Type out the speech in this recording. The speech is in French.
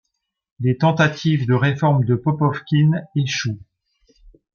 Les tentatives de réforme de Popovkine échouent.